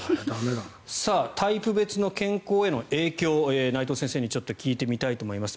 タイプ別の健康への影響を内藤先生に聞いてみたいと思います。